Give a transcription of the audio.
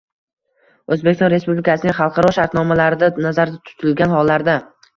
O‘zbekiston Respublikasining xalqaro shartnomalarida nazarda tutilgan hollarda.